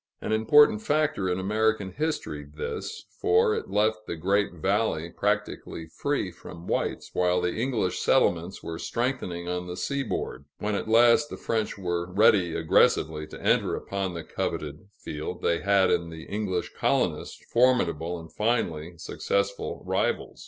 An important factor in American history this, for it left the great valley practically free from whites while the English settlements were strengthening on the seaboard; when at last the French were ready aggressively to enter upon the coveted field, they had in the English colonists formidable and finally successful rivals.